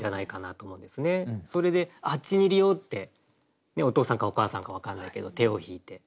それで「あっちにいるよ！」ってお父さんかお母さんか分かんないけど手を引いて。